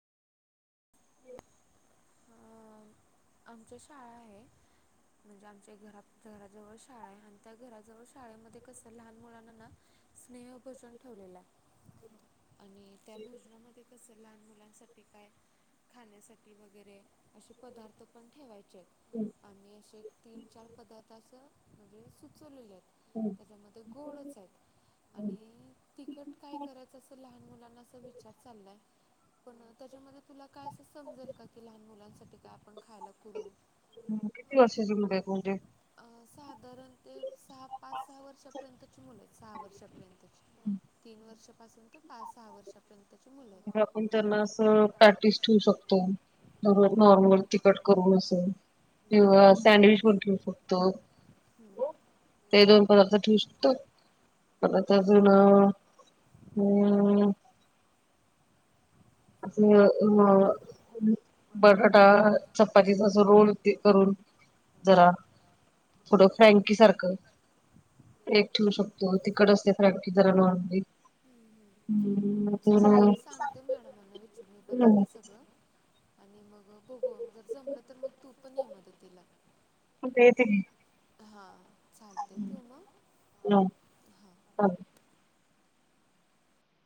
अ आमच्या शाळा आहे. म्हणजे आमच्या घरा घराजवळ शाळा आहे आणि त्या घराजवळ शाळेमध्ये कसं लहान मुलांना ना स्नेहल भोजन ठेवलेलं आहे आणि त्या भोजनामध्ये कसं लहान मुलांसाठी काय? खाण्यासाठी वगैरे असे पदार्थ पण ठेवायचे आम्ही असे, तीन चार पदार्थ असं म्हणजे सुचवलेले आहेत. हम् त्याच्यामध्ये गोडच आहेत आणि तिकट काय करायचं असं लहान मुलांना अस विचार चाललाय. पण त्याच्यामध्ये तुला काय असं समजेल का? की लहान मुलांसाठी काय आपण खायला करू किती वर्षाचे मुलं आहेत तुमचे? साधारण ते सहा पाच सहा वर्षापर्यंतची मुलं आहेत सहा वर्षापर्यंतची. तीन वर्षापासून ते पाच सहा वर्षापर्यंतची मुलं हो आपण त्यांना [unintelligible] ठेवू शकतो. किंवा जरूर नॉर्मल फुकट तिखट देऊ करून अस शकतो. किंवा सँडविच पण ठेवू शकतो हम्म. ते पण ते दोन आपण देऊ पदार्थ ठेवू शकतो. परत अजून हम्म. अ ह [unintelligible] [inaudible] बटाटा चपातीचा अस रोल करून जरा कुठं फ्रँकी सारखं एक ठेवू ब्रेक शकतो तिकड ती असते गरज आहे त्यांची फ्रँकी जरा नाही नॉर्मली हम्म हम्म हम्म चालेल अजून मी सांगते मॅडमांना विचरून पदार्थ सगळं आणि मग बोग जर जमलं तर मग तू पण ये मदतिला देते. हा चालत ठेव मग हा हां